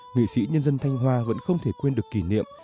nghệ sĩ nhân dân thanh hoa vẫn không thể quên được kỷ niệm